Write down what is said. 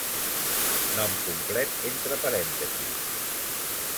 Nom complet entre parèntesis.